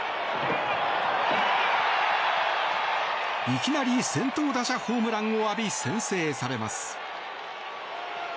いきなり先頭打者ホームランを浴び先制されます。